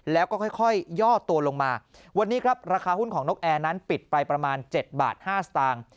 แล้วก็ค่อยย่อตัวลงมาวันนี้ครับราคาหุ้นของนกแอร์นั้นปิดไปประมาณ๗บาท๕สตางค์